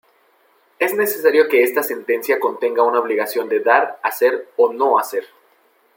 Es necesario que esta sentencia contenga una obligación de dar, hacer o no hacer.